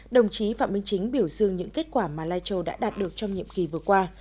đồng chí phạm minh chính biểu dương những kết quả mà lai châu đã đạt được trong nhiệm kỳ vừa qua